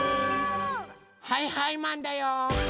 はいはいマンだよー！